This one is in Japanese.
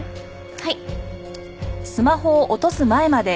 はい。